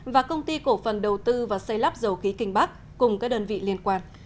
và công ty cổ phần đầu tư và xây lắp dầu khí kinh bắc cùng các đơn vị liên quan